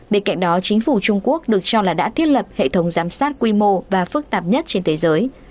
bên cạnh đó chính phủ trung quốc được cho là đã thiết lập hệ thống giám sát quy mô và phức tạp nhất trên thế giới